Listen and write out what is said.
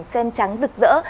sen trắng rực rỡ